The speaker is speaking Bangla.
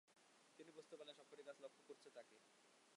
তিন্নি বুঝতে পারল সব কটি গাছ লক্ষ করছে তাকে।